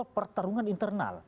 faktor pertarungan internal